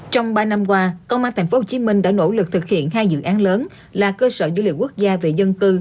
trong ba năm qua công an tp hcm đã nỗ lực thực hiện hai dự án lớn là cơ sở dữ liệu quốc gia về dân cư